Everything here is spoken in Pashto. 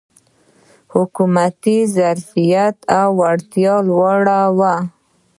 حکومتي ظرفیت او وړتیا لوړول و.